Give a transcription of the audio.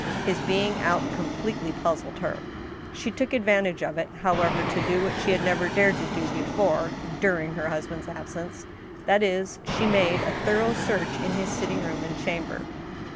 His being out completely puzzled her. She took advantage of it, however, to do what she had never dared to do before during her husband's absence — that is, she made a thorough search in his sitting room and chamber.